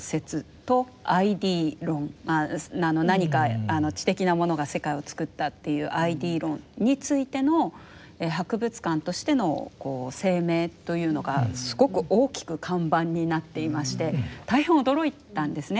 何か知的なものが世界をつくったっていうＩＤ論についての博物館としての声明というのがすごく大きく看板になっていまして大変驚いたんですね。